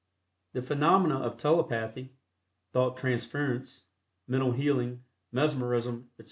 The phenomena of telepathy, thought transference, mental healing, mesmerism, etc.